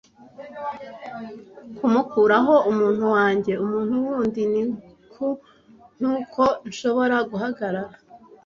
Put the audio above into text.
Kumukoraho umuntu wanjye umuntu wundi ni ku nk'uko nshobora guhagarara.